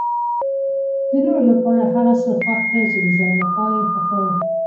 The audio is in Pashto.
د نورو لپاره هغه څه خوښ کړئ چې د ځان لپاره یې خوښوي.